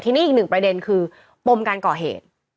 ทีนี้อีกหนึ่งประเด็นคือปมการก่อเหตุ